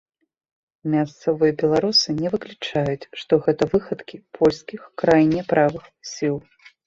Мясцовыя беларусы не выключаюць, што гэта выхадкі польскіх крайне правых сіл.